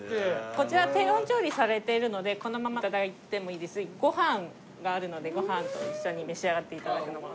こちら低温調理されているのでこのまま頂いてもいいですしご飯があるのでご飯と一緒に召し上がって頂くのもおすすめ。